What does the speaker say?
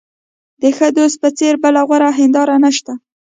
د ښه دوست په څېر بله غوره هنداره نشته.